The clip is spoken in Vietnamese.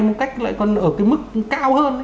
một cách lại còn ở cái mức cao hơn